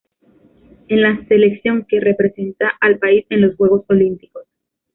Es la selección que representa al país en los Juegos Olímpicos.